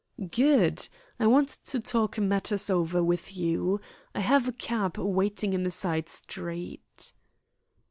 "Good! I want to talk matters over with you. I have a cab waiting in a side street."